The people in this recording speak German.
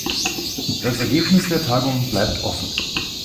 Das Ergebnis der Tagung bleibt offen.